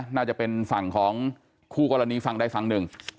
น่าจะเป็นฝั่งของคู่กรณีฝั่งใดฝั่งหนึ่ง